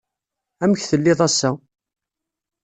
Amek tellid ass-a?